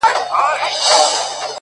يو چا تضاده کړم، خو تا بيا متضاده کړمه،